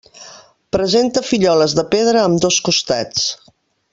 Presenta filloles de pedra a ambdós costats.